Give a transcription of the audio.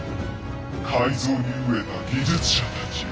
改造に飢えた技術者たちよ